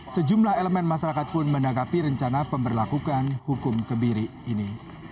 sejumlah elemen masyarakat pun menanggapi rencana pemberlakukan hukum kebiri ini